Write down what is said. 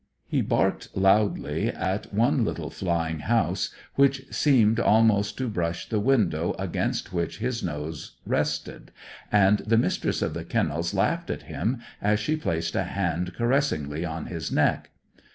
He barked loudly at one little flying house, which seemed almost to brush the window against which his nose rested, and the Mistress of the Kennels laughed at him as she placed a hand caressingly on his neck.